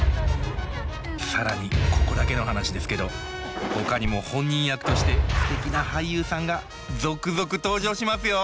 更にここだけの話ですけどほかにも本人役としてすてきな俳優さんが続々登場しますよ。